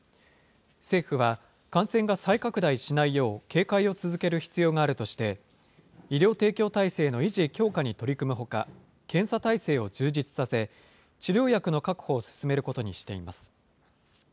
政府は、感染が再拡大しないよう警戒を続ける必要があるとして、医療提供体制の維持・強化に取り組むほか、検査体制を充実させ、治療薬の確保を進めることにしています。